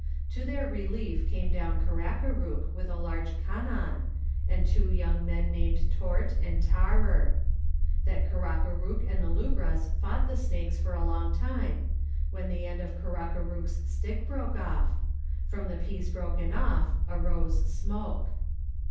To their relief came down Karakarook with a large kannan, and two young men named Tourt and Tarrer ; that Karakarook and the lubras fought the snakes for a long time, when the end of Karakarook's stick broke off; from the piece broken off arose smoke.